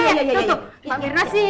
tuh tuh pak birna sih